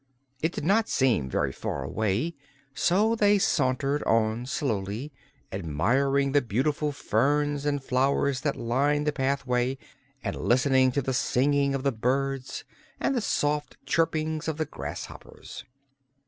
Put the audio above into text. It did not seem very far away, so they sauntered on slowly, admiring the beautiful ferns and flowers that lined the pathway and listening to the singing of the birds and the soft chirping of the grasshoppers.